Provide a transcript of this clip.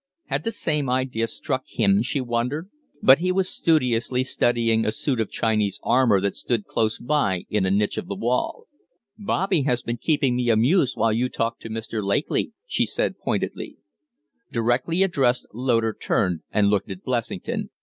Had the same idea struck him, she wondered? But he was studiously studying a suit of Chinese armor that stood close by in a niche of the wall. "Bobby has been keeping me amused while you talked to Mr. Lakely," she said, pointedly. Directly addressed, Loder turned and looked at Blessington.